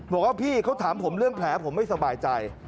บอกว่าพี่เขาถามผมเรื่องแผลผมไม่สบายใจ